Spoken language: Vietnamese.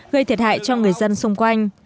gây thiệt hại cho người dân xuống đồng